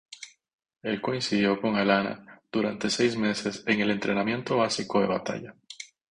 Él coincidió con Alana durante seis meses en el entrenamiento básico de batalla.